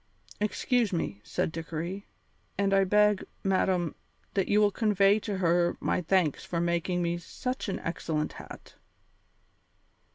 "Excuse me," said Dickory; "and I beg, madam, that you will convey to her my thanks for making me such an excellent hat."